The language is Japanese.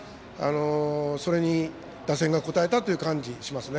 それに打線が応えたという感じがしますね。